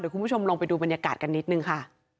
คุณผู้ชมลองไปดูบรรยากาศกันนิดนึงค่ะ